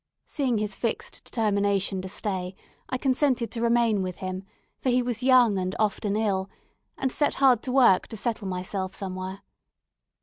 Seeing his fixed determination to stay, I consented to remain with him, for he was young and often ill, and set hard to work to settle myself somewhere.